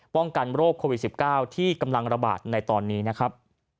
ป้องกันโรคโควิด๑๙ที่กำลังระบาดในตอนนี้นะครับ